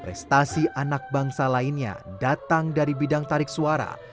prestasi anak bangsa lainnya datang dari bidang tarik suara